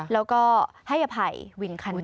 แล้วก็ให้อภัยวินคันนี้